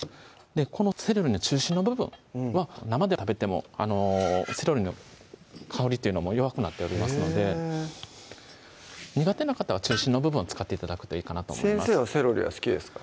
このセロリの中心の部分は生で食べてもセロリの香りっていうのも弱くなっておりますので苦手な方は中心の部分を使って頂くといいかなと思います先生はセロリは好きですか？